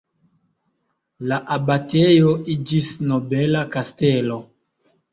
La abatejo iĝis nobela kastelo.